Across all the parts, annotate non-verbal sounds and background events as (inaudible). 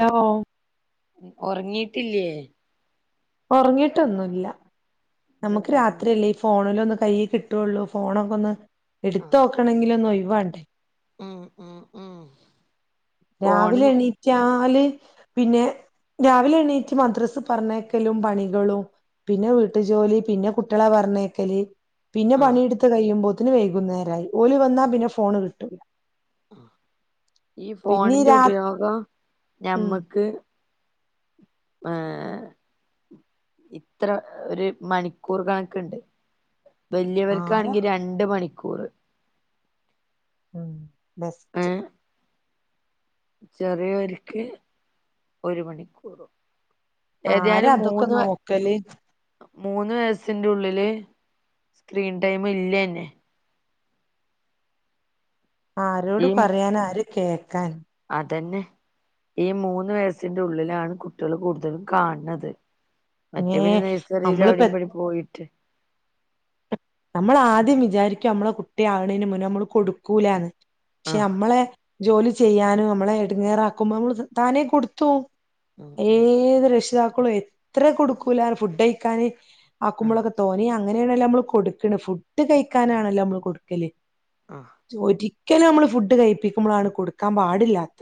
Hello ഉറങ്ങി ഇല്ലേയ് ഉറങ്ങിട്ടൊന്നുമില്ല എന്തോ നമുക്ക് പണി രാത്രിയല്ലേ ഈ ഫോണിലൊന് കൈ കിട്ടുമൊള്ളൂ ഫോണൊക്കെ ഒന്ന് ആഹ് എടുത്തോക്കണെങ്കില് ഒന്ന് ഒയ് വാ ഉം ഉം ഉം രാവിലെ ഫോണിന് എണീറ്റാല് പിന്നെ രാവിലെ എണീറ്റ് മദ്രസ്സ് പറഞ്ഞയക്കലും പണികളും പിന്നെ വീ ട്ടുജോലി പിന്നെ കുട്ടിയെള പർഞ്ഞയ്ക്കല് പിന്നെ ആഹ് പണിയെടുത്ത് കഴിയുമ്പോ ത്തിനും വൈകുന്നേരായി. ഓല് വന്നാ പിന്നെ ഫോണ് കിട്ടൂലാ ഈ പിന്നെ ഈ ഫോണിന്റെ രാ ഉപയോഗം ഉം ഞമ്മക്ക് ആഹ് ഇത്ര ഒരു മണിക്കൂർ കണക്ക്ണ്ട് ആരാ വലിയവർക്കാണെങ്കിൽ രണ്ട് മണി ക്കൂറ്. ഉം ബെസ്റ്റ് ചെറിയൊക്ക് ഒരു മണിക്കൂറും ആര ഏതായാലും അതൊക്കെ മൂന്ന് നോക്കല് മൂന്ന് വയസിന്റെ ഉള്ളില് സ്ക്രീൻ ടൈം ഇല്ല തന്നെ ആ ഈ ആരോട് പറയാന ആര്- കേക്കാൻ അതന്നെ ഈ മൂന്ന് വയസിന്റെ ഉള്ളിലാണ് കുട്ടികള് കൂടുതലും കാണണത് മറ്റേ ഏ പിന്നെ നഴ്സറിയിലും അവിടെ നമ്മളിപ്പോ ഇവിടേം പോയിട്ട് നമ്മൾ ആദ്യം വിചാരിക്കും നമ്മളെ കുട്ടിയ ആകുന്നതിന് മുന്നേ നമ്മള് കൊടുക്കൂലന്ന് പക്ഷെ ആഹ് മ്മളെ ജോലി ചെയ്യാനും മ്മളെ എടങ്ങറാക്കുമ്പോ നമ്മ താനേ കൊടുത്തു പോം ഉം ഉം ഏത് രക്ഷിതാക്ക കളും എത്ര കൊടുക്കൂല ഫുഡ് കൈക്കാന് ആഹ് ആക്കുമ്പളൊക്കെ തോനെ അങ്ങനെയണല്ല നമ്മ കൊടു കണ് ഫുഡ് കൈക്കാനാണല്ലോ നമ്മള് കൊടുക്കല് ആഹ് ചൊരി രിക്കലും നമ്മള് ഫുഡ് കൈപിക്കുമ്പോളാണ് കൊടുക്കാൻ പാടില്ലാത്ത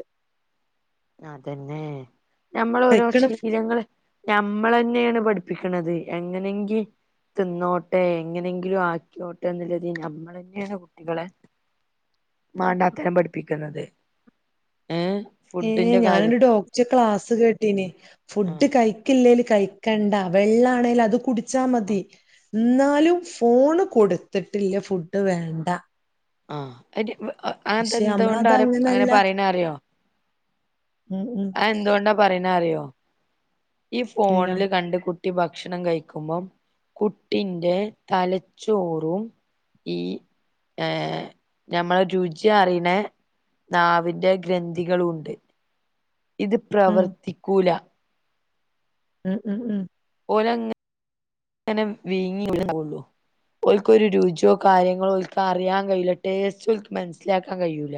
അതന്നെ ഞമ്മൾ ഓരോ കഴിക്കണ ശീലൾ ഞമ്മൾ തന്നെയാണ് പഠിപ്പിക്കണത് എങ്ങനെങ്കി തിന്നോട്ടെ എങ്ങനെങ്കിലും ആകെയൊട്ടെ എന്നുള്ളത് നമ്മൾ തന്നെയാണ് കുട്ടികളെ വേണ്ടത്തരം പഠിപ്പി ക്കുന്നത് ഏ ഞാനൊ ഒരു ഡോക്ടറിനെ ക്ലാസ്സ് കേട്ടീന ആഹ് ഫുഡ് കഴിക്കില്ലേല് കഴിക്കണ്ട വെള്ള ആണെലത് കുടി ച്ചാമതി ആഹ് എന്നാലും ഫോണ് കൊടുത്തിട്ടില്ല ഫുഡ് വേണ്ട. ആ (unintelligible) അ പക്ഷെ നമ്മളത് അതെന്തുകൊണ്ടാറിയൊ അങ്ങനെ അങ്ങനല്ല പറയണ അറിയോ? ഉം ഉം അതെന്തുകൊണ്ടാ പറയണേ അറിയോ ഈ ഇല്ല ഫോണില് കണ്ട് കു ട്ടി ഭക്ഷണം കഴിക്കുമ്പം. കുട്ടിന്റെ തലച്ചോറും ഈ ഏഹ് നമ്മള് രുചി അറിയണ നാവിന്റെ ഗ്രന്ഥികളു ഉണ്ട്. ഇത് ഉം പ്രവർത്തിക്കൂല. ഉം ഉം ഉം ഓലങ്ങനെ വിഴുങ്ങി (unintelligible) ഓൽക്ക് ഒര് രുചിയോ കാര്യങ്ങളോ ഓൽക്ക് അറിയാൻ കഴിയൂല്ല. ടേസ്റ്റ് മനസ്സിലാക്കാൻ കഴിയൂല്ല.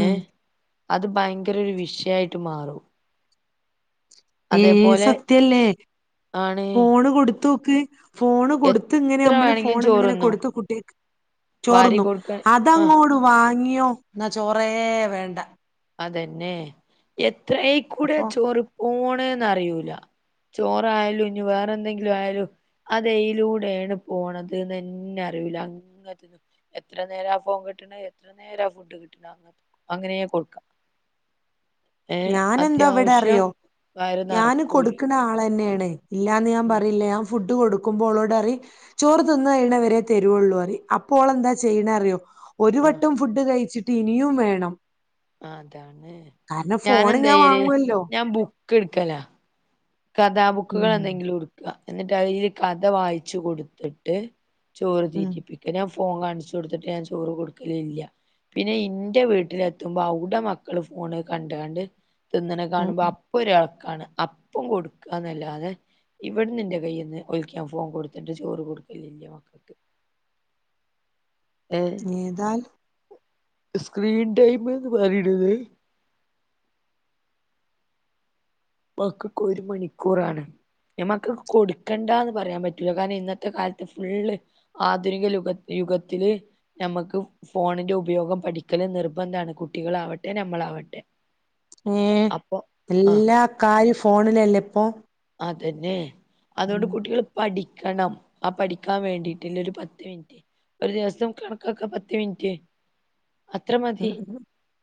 ഉം ഏഹ് അത് ഭയങ്കര ഒരു വിഷയായിട്ട് മാറും. ഏഹ് അതേപോലെ സത്യല്ലേ ആണ് ഫോണ് കൊടുത്തു ക്ക് ഫോണ് കൊടുത്ത് ഇങ്ങനെ എത്ര നമ്മള് വേണെങ്കിലും ഫോൺ ഇങ്ങനെ ചോറുന്നും കൊടുത്ത് കുട്ടിക്ക്. വാരി ചോറിന്നു കൊടുക്ക ആ അതങ്ങോട് വാങ്ങി (unintelligible) എന്ന ചോറേ വേണ്ട അതെന്നെ എ ത്രയ് കൂടെ അപ്പൊ ചോറ് പോൺ അറിയൂല ചോറായാലും ഇനി വേറെ എന്തെങ്കിലും ആയാലും അതയലൂടെയാണ് പോണതെന്നെ അറിയുല അങ്ങത്തന്നും എത്ര നേര ഫോം കിട്ടണ എത്ര നേര ഫുഡ് കിട്ടണ അങ്ങ അങ്ങനെയ കൊടുക്കാം. ഏ ഞാനെന്താ ഇവിടെ അത്യാവശ്യം അറിയോ വയറ് ഞാന് നറക്കൂല് കൊടുക്കണ ആൾന്നെയാണ്. പ് ഇല്ലാന്ന് ഞാൻ ഉം പറയില്ല ഫുഡ് കൊടുക്കുമ്പോളോട് അറി ചോറ് തിന്ന് കഴിയണവരെ തരുവള്ളൂ അറി അപ്പോൾെന്താ ചെയ്യണ അറിയോ ഒരു ആ വട്ടം ഫുഡ് കയ്ചി ഇനിയും വേണം അതാണ് കാരണം ഫോണ് ഞാൻ വാങ്ങുവല്ലോ കിടുക്കല കഥാബുക്കുകൾ ഉം എന്തെങ്കിലും കൊടുക്കുക എന്നിട്ട് അല് കഥ വായിച്ചു കൊടുത്തിട്ട് ചോറ് ഉം തീറ്റിപ്പിക്കലും ഫോൺ കാണിച്ചു കൊടുത്തിട്ട് ഞാൻ ചോറ് കൊടുക്കല ഇല്ല പിന്നെ എന്റെ വീട്ടില എത്തുമ്പോ അവിടെ മക്കള് ഫോണ് കണ്ട കണ്ട് തിന്നനെ ഉം കാണുമ്പോ ഉം അപ്പൊ ഒരാൾ ക്കാണ അപ് ഒപ്പം കൊടുക്കുകന്നല്ലാതെ ഇവിടെ നിന്റെ കയ്ന്ന് ഒലിക്കാൻ ഫോൺ കൊടുത്തിട്ട് ചോറ് കൊടുക്കലല്ലേ മക്കൾക്ക് ഏഹ് ഏതാൽ സ്ക്രീൻ ടൈം എന്ന് പറയണത് ക്ക് ഒരു മണിക്കൂറാണ് നമ്മക്ക് കൊടുക്കണ്ടന്ന് പറയാൻ പറ്റൂില്ല കാരണം ഇന്നത്തെ കാലത്ത് ഫുള് ആധുനിക യുഗ യുഗത്തില് നമ്മുക്ക് ഫോണിന്റെ ഉപയോഗം പഠിക്കല് നിർബന്ധാണ് കുട്ടികളാവട്ടെ നമ്മളാവട്ടെ ഏ അപ്പൊ ആഹ് എല്ലാ കാര് ഫോണിലല്ലേ ഇപ്പോൾ അതന്നെ അതുകൊണ്ട് കുട്ടികള് പഠി ക്കണം ആ പഠിക്കാൻ വേണ്ടിട്ടില്ല ഒരു പത്ത് മിനിറ്റ് ഒരു ദിവസം കണക്കൊക്കെ പത്ത് മിനിറ്റ് അത്ര ഉം മതി ഉം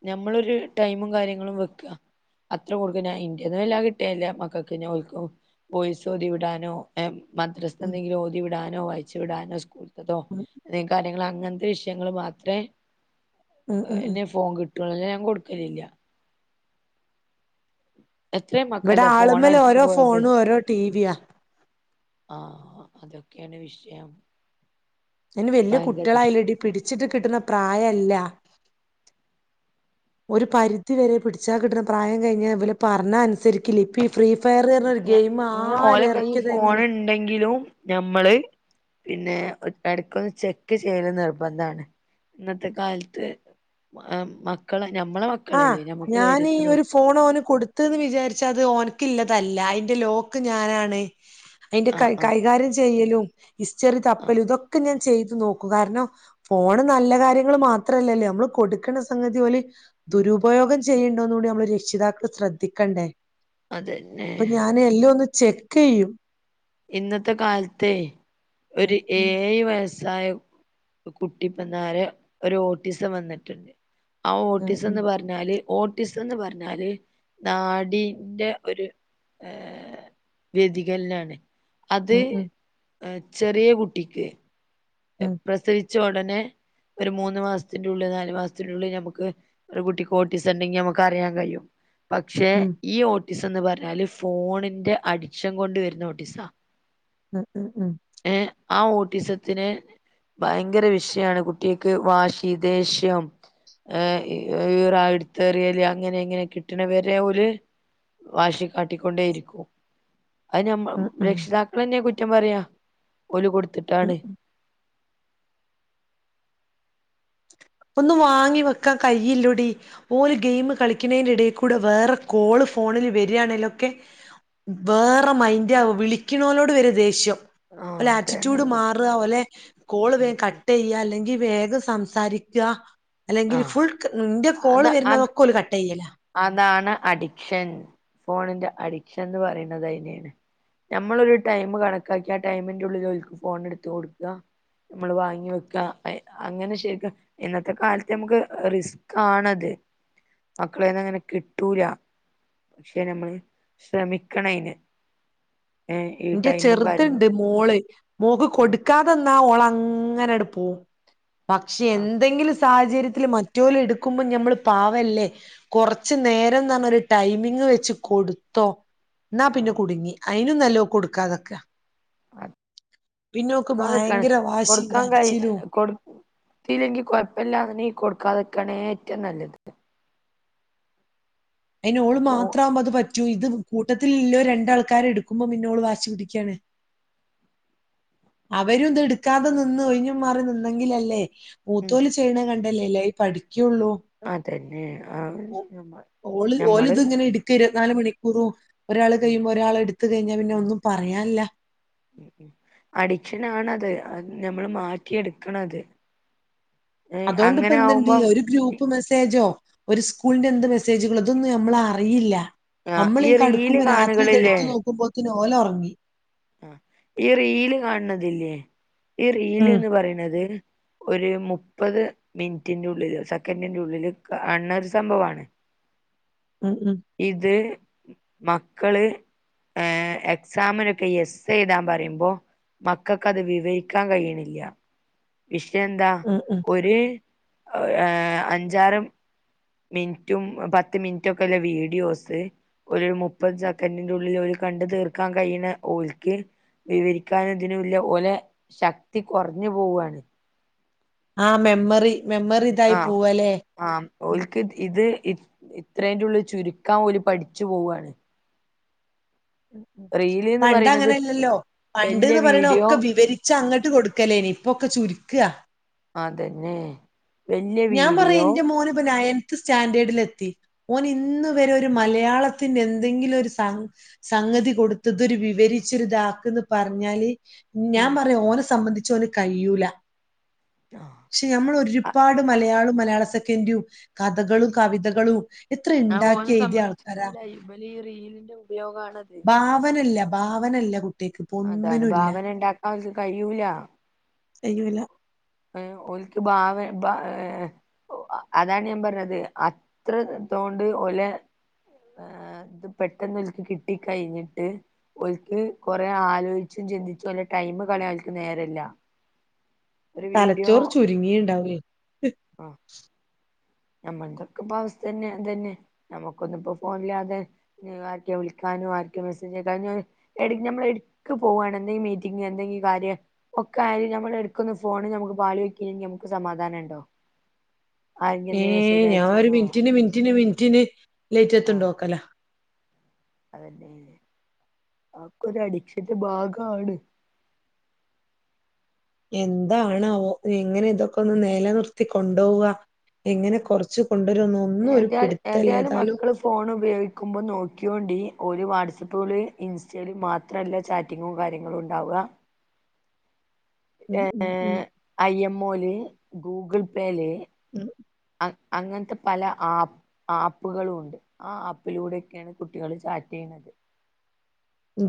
നമ്മളൊരു ടൈമും കാര്യങ്ങളും വെക്ക അത്ര കൊടുക്ക വില കിട്ടിയല്ല മക്കൾക്ക് പോയ്സോതിവിടാനോ മദ്രസ ഉം എന്തങ്കിലും ഓതി വിടാൻ വായിച്ച് വിടാനോ സ്കൂ തോ ഉം അ കാര്യങ്ങളാ അങ്ങനത്തെ വിഷയങ്ങൾ മാത്രേ ഉം ഉം ഉം എന്നെ ഫോൺ കിട്ട കുട്ടികളല്ലാം ഞാൻ കൊടുക്കലില്ല (unintelligible) ഇവിടെ മക്കളുടെ ഫോൺ ആള്മ്മല് അടിച്ചു ഓരോ ഫോണും ഓരോ ടീവിയാ ആ അതൊക്കെയാണ് വിഷയം ന് വല്യ ഭയങ്കര വിഷയം കുട്ടികളായില്ലെടി പിടിച്ചിട്ട് കിട്ടുന്ന പ്രായല്ല ഒരു പരിധിവരെ പിടിച്ചാൽ കിട്ടണ പ്രായം കഴിഞ്ഞാൽ ഇല് പറഞ്ഞ അനുസരിക്കില്ല ഇപ്പയി ഇങ്ങനെ ഓലെ കൈ ഇറക്കിയത് ഫോണ് എങ്ങനെ ഇണ്ടെങ്കിലും ഞമ്മള് പിന്നെ വീട്ടാർക്കൊന്ന് ചെക്ക് ചെയ്യല് നിർബന്ധാണ് ഇന്നത്തെ കാലത്ത് മക്കളെ ഞമ്മളെ ആ മക്കളല്ലേ ഞമ്മക്ക് ഞാനീ ധൈര്യത്തി ഒരു നോക്കി ഫോൺ ഓന് കൊടുത്ത്ന്ന് വിചാരിച്ചത് ഓൻ ക്ക്ള്ളതല്ല അയ്ന്റെ ലോക്ക് ഞാനാണ് അയ്ന്റെ കൈ ആഹ് ആഹ് കൈകാര്യം ചെയ്യലും ഹിസ്റ്ററി ആഹ് തപ്പലും ഇതൊക്കെ ഞാൻ ചെയ്തു നോക്കും കാരണം ഫോണ് നല്ല കാര്യങ്ങൾ മാത്രല്ലല്ലോ നമ്മള് കൊടുക്കണ സംഗതി ഓൽ ഉം ദുരുപയോഗം ചെയ്യ് ണ്ടോന്നൂടി നമ്മള് രക്ഷിതാക്കൾ ശ്രദ്ധിക്കണ്ടേ അതന്നെ പ്പം ഞാന് എല്ലോന്ന് ചെക്കേയ്യും ഇന്നത്തെ കാലത്തെ ഉം ഒരു ഉം ഏഴ് വയസ് സായ കുട്ടിപ്പന്നാരെ ഒരു ഓട്ടിസം വന്നിട്ടുണ്ട് ആ ഉം ഓട്ടീസം ഉം ന്ന് പർഞ്ഞാല് ഓട്ടിസം ന്ന് പറഞ്ഞാല് നാടിന്റെ ഒരു വ്യതികൽനാണ് അത് ഉം ഉം ആ ചെറിയ കുട്ടിക്ക് ഉം എപ്പഴത്തേ ച്ച ഉടനെ ഒരു മൂന്ന് മാസത്തിനുള്ളിൽ നാല് മാസത്തിനുള്ളിൽ ഞമ്മക്ക് ഒരു കുട്ടിക്ക് ഓട്ടീസണ്ടെങ്കി ഞമ്മക്കറിയാൻ കയ്യും. പക്ഷെ ഉം ഈ ഓ ട്ടീസം ന്ന് പർഞ്ഞാല് ഫോണിന്റെ അടിക്ഷൻ കൊണ്ട് വര്ന്ന ഓട്ടിസാ ഉം ഉം ഉം ഏ ആ ഓട്ടിസത്തിന് ഭയങ്കര വിഷയാണ് കുട്ട്യാക്ക് വാശി ദേഷ്യം ഏ ഈറ ഇട്ത്തെറിയല് അങ്ങനെ ങ്ങനെ കിട്ടണവരെ ഓൽ വാശി കാട്ടിക്കൊണ്ടേയിരിക്കും അ ഞമ്മൾ ഉം ഉം രക്ഷിതാക്കളെന്നെ കു കുറ്റം പറയാ ഓല് കൊട് ഉം ത്തിട്ടാണ് ഉം ഒന്ന് വാങ്ങി വെക്കാൻ കയ്യില്ലൂടി ഓല് ഗെയിം കളിക്കണേന്റെ എടേൽക്കൂടെ വേറെ കോള് ഫോണിൽ വരാണേലൊക്കെ വേറെ മൈന്റാവും വിളിക്കണോലോട് വരെ ദേഷ്യം. ഒലെ ആഹ് ആറ്റിറ്റ്യൂഡ് തരണല്ല മാറ ഓലെ കോള് വേ കട്ടെയ്യ അല്ലെങ്കി വേഗം സ് സംസാരി ക്കാ. അല്ലെങ്കിൽ ആഹ് ഫുൾ ക് ന്റെ കോള് അത് അത് വരുന്നതൊക്കോൽ കട്ടെയ്യലാ. അതാണ് അഡിക്ഷൻ ഫോണിന്റെ അഡിക്ഷൻ ന്ന് പറയുന്നത് അയ്നെണ്. നമ്മൾ ഒരു ടൈമ് കണക്കാക്കി ആ ടൈമിന്റെ ഉള്ളിൽ ഓല്ക് ഫോൺ ട്ത്ത് കൊട്ക്ക മ്മൾ വാങ്ങി വെക്ക അങ്ങനെ ശരിക്ക് ഇന്നത്തെ കാലത്ത് ഞമ്മക്ക് റിസ്കാണത്. മക്കളേന്നങ്ങനെ കിട്ടൂല പക്ഷെ നമ്മള് ശ്രമിക്കണയ്‌ൻ. എന്റെ ചെറുത്ണ്ട് മോള് മോക്ക് ആ കൊടുക്കാത ന്നാ ഓള് അങ്ങനെആണ്ട് പോകും. പക്ഷെ ആ എന്തെങ്കിലും സാഹചര്യത്തില് മറ്റൊല് എടുക്കുമ്പോ ഞമ്മള് പാവല്ലേ കൊറച്ച് നേരം ന്നൊരു ഒരു ടൈമിങ് വെച്ച് കൊടുത്തോ. ന്നാ പിന്നെ ആ കുടുങ്ങി. അയിനും നല്ലോം കൊടുക്കാതെക്കാ. അതെ കൊടുക്കാതെക്കാണ് ഭയങ്കര വാശിയും കൊടുക്കാൻ കഴി കരച്ചിലും കൊടുത്തില്ലെങ്കിൽ കൊഴപ്പമില്ലാന്ന് നീ കൊടുക്കാതെ രിക്കണേ ഏറ്റവും നല്ലത്. അയിന് ഓള് ഫോ മാത്രം ആകുമ്പോ അത് പറ്റ ചൂ ഇത് കൂട്ടത്തിൽല്ലോ രണ്ടാൾക്കാരെ എട്ക്കുമ്പോ പിന്നോള് വാശി പിടിക്ക്യാണ് അവരും ത് എട്ക്കാതെ നിന്ന് ഒഴിഞ്ഞ് മാറി നിന്നെങ്കിലല്ലേ ഉം മൂത്തോല് ചെയ്യ്ണ കൺ ണ്ടല്ലല്ലേ ഈ പഠി അതന്നെ ആ ഞമ്മ ഞമ്മള് നാല് മണിക്കൂറു ഒരാള് ഉം കയ്യുമ്പോ ഒരാളെട് ട്ത്ത് കയ്ഞ്ഞാ പിന്നെ ഒന്നും പറയാൻല്ലാ ഉം ഉം അഡിക്ഷനാണത് അത് ഞമ്മള് മാറ്റിയെട്ക്കണത് അതാേണ്ട്പ്പോ എന്ത്ണ്ട് ഒര് ഗ്രൂപ്പ് മെസ്സേജോ ഒരു സ്കൂളിന്റെ എന്ത് മെസ്സേജുകളോ ഇതൊന്നും നമ്മള് അറിയില്ല. ആഹ് നമ്മളീ ഈ റീല് കടുക്കുമ്പോ രാത്രി ഇത് കാണുകളില്ലേ എടുത്ത് നോക്കുമ്പോ ത്തിന് ഓല് ഒറങ്ങി. ഈ റീല് കാണ് ണതില്ലേ ഈ റീല് ഉം, ന്ന് പറിണത് ഒരു മുപ്പത് മിൻറ്റിന്റെ ഉള്ളില് സെക്കൻറിന്റെയുള്ളില് കാണ് ണ ഒരു സംഭവാണ് ഉം, ഉം, ഇത് മക്കള് ഏ എക്സാമിനൊക്കെ എസ്സയെ എഴുതാൻ പറയുമ്പോ മക്കൾക്ക് അത് വിവരിക്കാൻ കയ്യിണില്ല വിഷയം എന്താ ഉം, ഉം. ഒര് ഏഹ് ഏഹ് അഞ്ചാറും മിൻറ്റും പത്ത് മിൻറ്റൊക്കെള്ള വീഡിയോസ് ഒരു മുപ്പത് സെക്കന്റിന്റെയുള്ളില് അവര് കണ്ട് തീർക്കാ കഴിന്ന ഓൽക്ക് വിവരിക്കാനും ഇതിനൂല ഓലെ ശക്തി കൊറഞ്ഞു പോവാണ് ഉം ആഹ് മെമ്മറി മെമ്മറി ഇതായി ആഹ് പോവാല്ലേ ആഹ് ഓൽക്ക് ഇത് ഇത്രേന്റെ ഉള്ള് ചുരുക്കാൻ ഓല് പഠിച്ചു പോവാണ് ഉം ഉം റീല്ന്ന് പണ്ട് പറയണത് അങ്ങനെല്ലല്ലോ വല്യ പണ്ട്ന്ന് പറ്ണ വീഡിയോ ഒക്കെ വിവരിച്ച അങ്ങെട്ട് കൊടുക്കലേനി ഇപ്പൊക്കെ ചുര് ക്ക അതെന്നെ ഞാൻ പറ്യ ഇന്റെ മോനപ നയൻ ത്ത് സ്റ്റാൻഡേർഡിലെത്തി ഓൻ ഇന്ന് വരെ ഒരു മലയാളത്തിന്റെ എന്തെങ്കിലും ഒരു സം സംഗതി കൊടുത്തതൊരു വിവരിച്ചൊരിതാക്ക്ന്ന് പറഞ്ഞാല് ഞാൻ ഉം പറയാ ഓനെ സംബന്ധി ച്ചൊന് കഴൂല പക്ഷെ നമ്മൾ ഒരു പാട് മലയാളും മലയാള സെക്കൻ്റും കഥകളും കവിതകളും എത്ര ആ ഉണ്ടാക്കി ഓനെ എഴുതിയ സംബന്ധിച്ചി ആൾക്കാരാ നല്ല ഇബലീ റീ റീലിന്റെ ഉപയോഗാണ ഭാവനല്ല. ഭാവനല്ല കു അതാണ് ഭാവന ഇണ്ടാക്കാൻ ഓൽക്ക് കഴിയൂല. കയ്യൂല. ഏഹ് ഓൽക്ക് ഭാവ ഏഹ് അതാണ് ഞാൻ പറഞ്ഞത് അത്ര ഇതോണ്ട് ഓലെ ഏഹ് ഇത് പെട്ടെന്ന് ഓല്ക്ക് കിട്ട കഴിഞ്ഞിട്ട് ഓൽക്ക് കൊറെ ആലോയിച്ചും ചിന്തിച്ചും ഓലെ ടൈമ് കളയാൻ ഓൽക്ക് നേരല്ല. ഒരു വീഡിയോ തലച്ചോറ് ചുരുങ്ങിണ്ടാവു ലേ നമ്മൾതൊക്കെ ഇപ്പവസ്ഥന്നെ ഇതന്നെ. നമ്മുക്കൊന്നും ഇപ്പോ ഫോണില്ലാതെ ആർക്കെ വിളിക്കാനോ ആർക്കേ മെസ്സേജ് അയക്കാനോ ഇഞ്ഞോന് എടീ നമ്മൾ എട്ക്ക് പോവാണ് എന്തെങ്കിലും മീറ്റിംഗ് എന്തെങ്കിലും കാര്യം ഒക്കെ ആയാലും നമ്മൾ എട്ക്കൊന്ന് ഫോണ് ഞമ്മക്ക് പാളി നോക്കീല്ലെങ്കി നമ്മക്ക് സമാധാനം ഉണ്ടോ? ആരെങ്കിലും എന്തെങ്കിലും ഏഹ് മെസ്സേജ് ഞാ ഒര് അയച്ചീന്നോ മിൻറ്റിന് മിൻറ്റിന് മിൻ റ്റ്ന് ആഹ് ലെയ്റ്റത്തുണ്ടോക്കലാ. അതന്നെ ആക്കൊ ഒരു അടിക്ഷന്റെ ഭാഗണ് എന്തണോ എങ്ങനെ ഇതൊക്കെ ഒന്ന് നില നിർത്തി കൊണ്ടപോവുക എങ്ങനെ കൊറച്ച് കൊണ്ടുവരുംന്ന് ഒന്നും ഒരു ഏത പിടുത്തല്ല ഏതായാലും മക്കള് ഫോൺ ഉപയോഗിക്കുമ്പോ നോക്കിന്നോണ്ടിരി ഒരു വാട്സപ്പുകള് ഇൻസ്റ്റയിൽ മാത്രമല്ല ചാറ്റിങ്ങും കാര്യങ്ങളും ഉണ്ടാവുക ഉം ഉം ഉം ഐഎംഒയിൽ ഗൂഗൾ പേയിലേ ഉം അങ്ങനത്തെ പല ആപ്പ് ആപ്പുകളും ഉണ്ട് ആ ആപ്പിലൂടെൊക്കെയാണ് കുട്ടികള് ചാറ്റ് ചെയ്യുന്നത്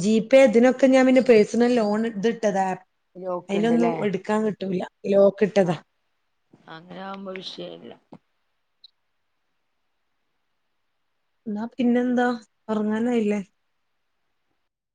ജിപേ ഇതിനൊക്കെ ഞാൻ പിന്നെ പേഴ്സണൽ ലോൺ ഇത് ഇട്ടതാ അതിലൊന്നും എടുക്കാൻ കിട്ടൂല ലോക്ക് ഇട്ടതാ ആഹ അങ്ങനെ ആവുമ്പോ വിഷയമല്ല എന്നാ പിന്നെന്താ ഉറങ്ങാനായില്ലേ